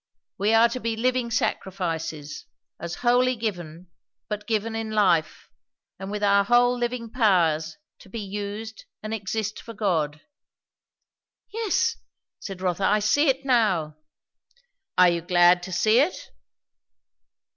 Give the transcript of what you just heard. We are to be living sacrifices, as wholly given, but given in life, and with our whole living powers to be used and exist for God." "Yes," said Rotha. "I see it now." "Are you glad to see it?"